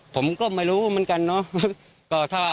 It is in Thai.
ผมก็ไม่รู้เหมือนกันเนาะ